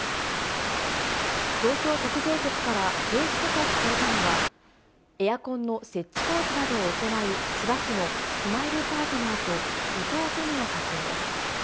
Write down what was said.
東京国税局から刑事告発されたのは、エアコンの設置工事などを行う千葉市のスマイルパートナーと、伊藤友哉社長です。